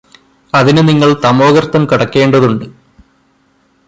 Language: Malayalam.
അതിനു നിങ്ങള് തമോഗര്ത്തം കടക്കേണ്ടതുണ്ട്